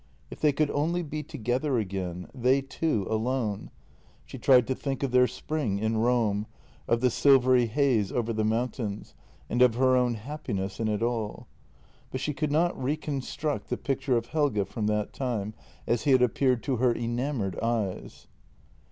If they could only be together again — they two alone ! She tried to think of their spring in Rome, of the silvery haze over the mountains, and of her own happiness in it all. But she could not recon struct the picture of Helge from that time — as he had appeared to her enamoured eyes.